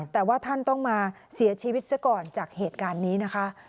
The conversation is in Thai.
แต่ว่าท่านต้องมาเสียชีวิตซะก่อนจากเหตุการณ์นี้นะคะ